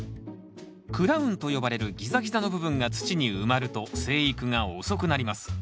クラウンと呼ばれるギザギザの部分が土に埋まると生育が遅くなります。